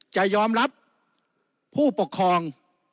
จะยอมรับผู้ปกครอง